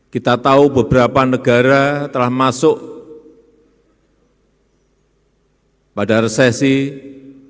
kita tahu beberapa negara tersebut menurut saya tidak bisa mengalami kondisi pandemik